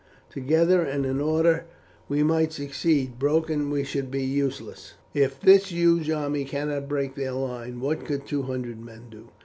Together and in order we might succeed, broken we should be useless. If this huge army cannot break their line, what could two hundred men do?"